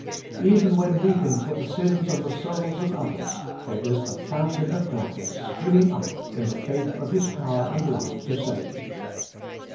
Even when weeping for the sins and the souls of others, there is the fountain of gladness springing up in the faith of His power and love to save.